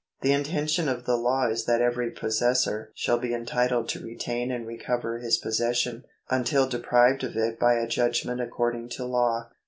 The intention of the law is that every possessor shall be entitled to retain and recover his possession, until deprived of it by a judgment according to law.